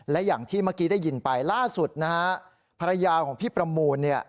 และอย่างที่เมื่อกี้ได้ยินไปล่าสุดนะฮะภรรยาของพี่ประมูลเนี่ย